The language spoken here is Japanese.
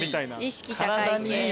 意識高い系。